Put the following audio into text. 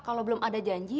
kalau belum ada janji